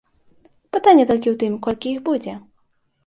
Пытанне толькі ў тым, колькі іх будзе.